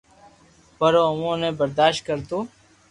پر او اووہ ني برداݾت ڪرتو